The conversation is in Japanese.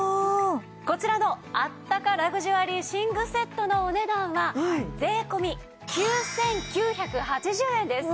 こちらのあったかラグジュアリー寝具セットのお値段は税込９９８０円です。